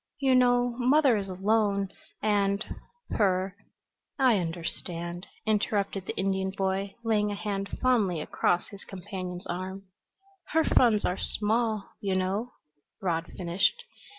"You know mother is alone, and her " "I understand," interrupted the Indian boy, laying a hand fondly across his companion's arm. " her funds are small, you know," Rod finished.